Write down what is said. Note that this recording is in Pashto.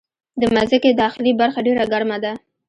د مځکې داخلي برخه ډېره ګرمه ده.